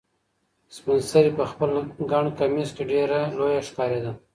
سپین سرې په خپل ګڼ کمیس کې ډېره لویه ښکارېده.